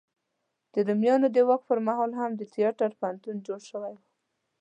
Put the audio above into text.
د رومیانو د واک په مهال هم د تیاتر پوهنتون جوړ شوی و.